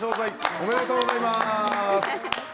おめでとうございます。